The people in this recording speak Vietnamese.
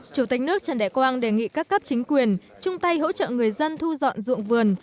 chủ tịch nước trần đại quang đề nghị các cấp chính quyền chung tay hỗ trợ người dân thu dọn ruộng vườn